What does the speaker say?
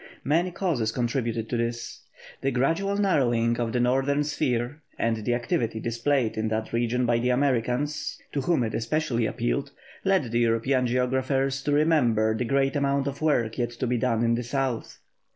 Many causes contributed to this. The gradual narrowing of the northern sphere, and the activity displayed in that region by the Americans, to whom it especially appealed, led the European geographers to remember the great amount of work yet to be done in the South.